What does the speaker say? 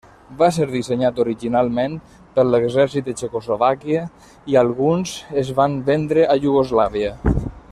Va ser dissenyat originalment per l’exèrcit de Txecoslovàquia, i alguns es van vendre a Iugoslàvia.